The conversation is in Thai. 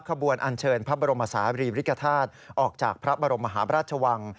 ขบวนอันเชิญพระบรมศาสตรีริกฐาธิ์ออกจากพระบรมมหาบราชวัง